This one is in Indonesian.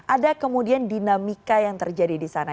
ada kemudian dinamika yang terjadi di sana